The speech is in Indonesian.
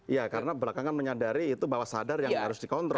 ya karena belakangan menyadari itu bahwa sadar yang harus dikontrol